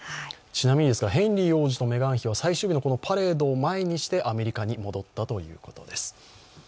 ちなみにですが、ヘンリー王子とメガン妃はこの最終日のパレードを前にアメリカに戻ったということです。